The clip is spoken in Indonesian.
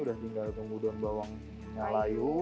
sudah tinggal tunggu daun bawangnya layu